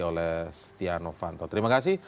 oleh setia noh fanto terima kasih